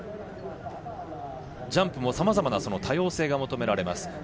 ジャンプもさまざまな多様性が求められます。